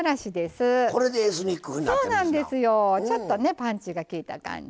ちょっとねパンチがきいた感じ。